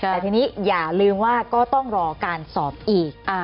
แต่ทีนี้อย่าลืมว่าก็ต้องรอการสอบอีก